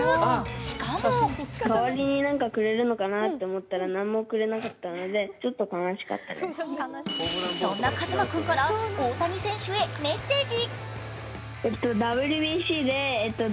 しかもそんな和真君から大谷選手へメッセージ。